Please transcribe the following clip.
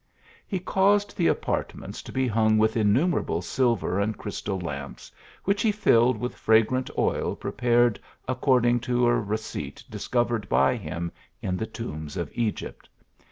He caused the apartments to be hung with in numerable silver and crystal lamps, which he filled with a fragrant oil prepared according to a receipt discovered by him in the tombs of Egypt.